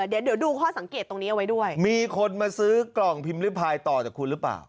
เดี๋ยวเดี๋ยวดูข้อสังเกตตรงนี้เอาไว้ด้วยมีคนมาซื้อกล่องพิมพ์ริพายต่อจากคุณหรือเปล่า